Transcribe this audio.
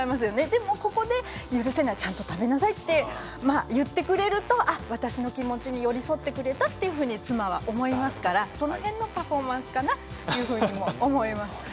でも、ここで許せないちゃんと食べなさいと言ってくれると私の気持ちに寄り添ってくれたと妻は思いますからその辺のパフォーマンスかな？と思います。